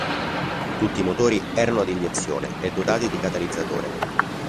Tutti i motori erano ad iniezione e dotati di catalizzatore.